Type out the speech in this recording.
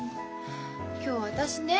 今日私ね